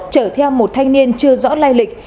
chở theo một thanh niên chưa rõ lai lịch